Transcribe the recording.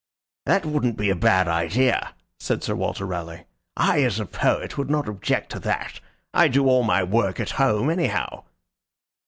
"That wouldn't be a bad idea," said Sir Walter Raleigh. "I, as a poet would not object to that. I do all my work at home, anyhow."